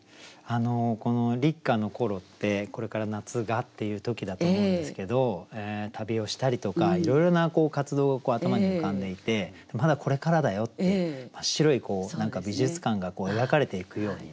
立夏の頃ってこれから夏がっていう時だと思うんですけど旅をしたりとかいろいろな活動を頭に浮かんでいてまだこれからだよって白い美術館が描かれていくようにね。